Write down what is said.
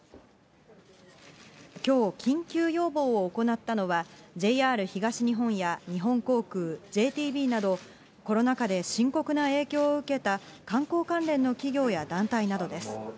きょう、緊急要望を行ったのは、ＪＲ東日本や日本航空、ＪＴＢなど、コロナ禍で深刻な影響を受けた観光関連の企業や団体などです。